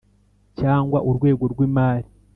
Cyangwa urwego rw imari